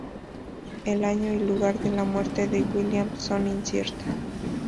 El año y lugar de la muerte de Williams son inciertas.